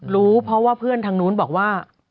รู้เพราะว่าเพื่อนทางนู้นบอกว่า